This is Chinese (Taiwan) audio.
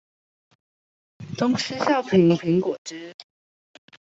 東施效顰蘋果汁